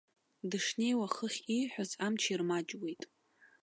Дышнеиуа хыхь ииҳәоз амч ирмаҷуеит.